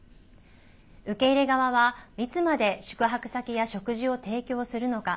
受け入れ側は、いつまで宿泊先や食事を提供するのか。